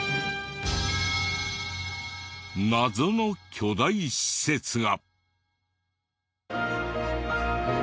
謎の巨大施設が。